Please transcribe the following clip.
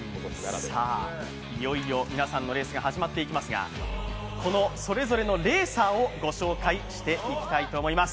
いよいよ皆さんのレースが始まっていきますがこのそれぞれのレーサーをご紹介していきたいと思います。